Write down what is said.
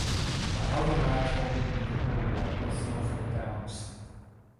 The other large holding in the area was Norfolk Downs.